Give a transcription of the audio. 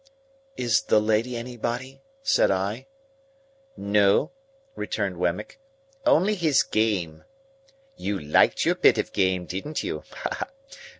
"Is the lady anybody?" said I. "No," returned Wemmick. "Only his game. (You liked your bit of game, didn't you?)